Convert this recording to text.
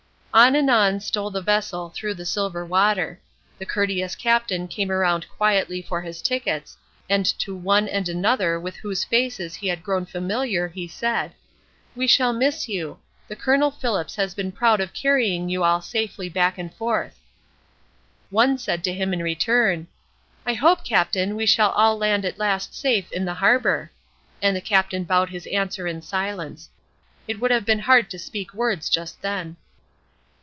On and on stole the vessel through the silver water. The courteous captain came around quietly for his tickets, and to one and another with whose faces he had grown familiar he said: "We shall miss you; the Col. Phillips has been proud of carrying you all safely back and forth." One said to him in return: "I hope, captain, we shall all land at last safe in the harbor." And the captain bowed his answer in silence. It would have been hard to speak words just then.